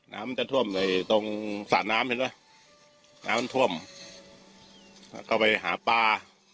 น้ำมันจะท่วมในตรงสระน้ำเห็นไหมน้ำท่วมแล้วก็ไปหาปลา